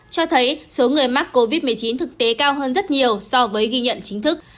cho thấy số người mắc covid một mươi chín thực tế cao hơn rất nhiều so với ghi nhận chính thức